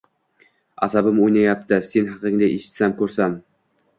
Asabim o‘ynayapti sen haqingda eshitsam, ko‘rsam.